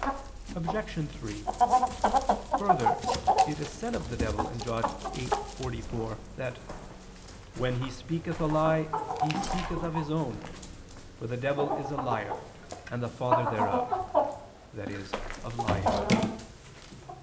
Obj. 3: Further, it is said of the devil (John 8:44) that "when he speaketh a lie, he speaketh of his own, for the devil is a liar, and the father thereof," i.e. of lying.